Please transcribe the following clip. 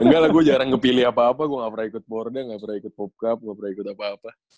enggak lah gue jarang kepilih apa apa gue gak pernah ikut borde gak pernah ikut pop cup gak pernah ikut apa apa